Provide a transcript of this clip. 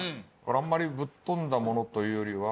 あんまりぶっ飛んだものというよりは。